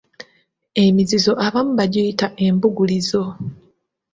Emizizo abamu bagiyita Embugulizo.